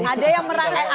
oh ada yang merah